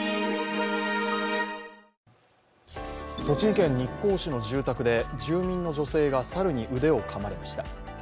栃木県日光市の住宅で、住民の女性が猿に腕をかまれました。